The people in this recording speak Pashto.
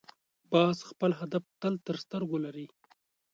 باز خپل هدف تل تر سترګو لري